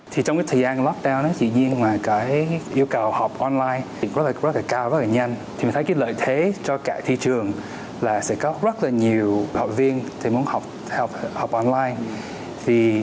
thì mình thấy lợi thế cho cả thị trường là sẽ có rất nhiều học viên muốn học online